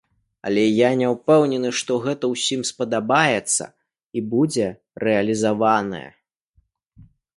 Але я не ўпэўнены, што гэта ўсім спадабаецца і будзе рэалізаванае.